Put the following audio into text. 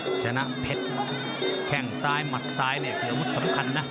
ชนะเพชรแข้งซ้ายหมัดซ้ายเนี่ยคืออาวุธสำคัญนะ